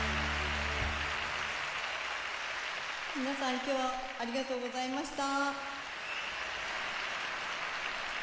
皆さん今日はありがとうございました。